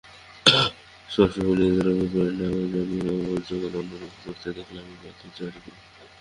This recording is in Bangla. স্পষ্টভাবে নিজেদের অভিপ্রায় না জানিয়ে কার্যকালে অন্যরূপ করতে দেখলে আমি প্রায় ধৈর্য হারিয়ে ফেলি।